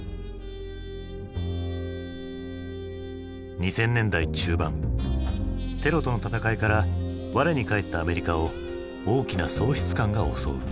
２０００年代中盤テロとの戦いから我に返ったアメリカを大きな喪失感が襲う。